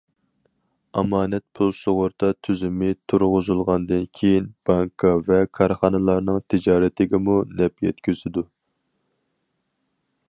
ئامانەت پۇل سۇغۇرتا تۈزۈمى تۇرغۇزۇلغاندىن كېيىن بانكا ۋە كارخانىلارنىڭ تىجارىتىگىمۇ نەپ يەتكۈزىدۇ.